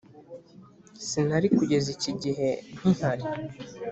Sinari kugeze iki gihe nkihari